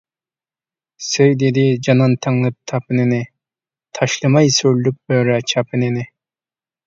«سۆي» دېدى جانان تەڭلەپ تاپىنىنى، تاشلىماي سۈرلۈك بۆرە چاپىنىنى.